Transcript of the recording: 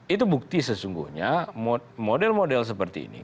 itu bukti sesungguhnya model model seperti ini